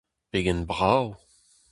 Pegen brav !